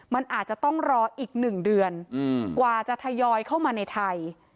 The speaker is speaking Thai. มันอาจจะต้องรออีก๑เดือนกว่าจะทยอยเข้ามาในไทย